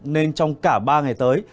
nên trong cả ba ngày tới